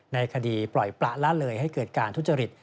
ในคดีปล่อยประละเลยให้เกิดการทุจริต